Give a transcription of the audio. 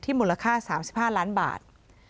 มูลค่า๓๕ล้านบาท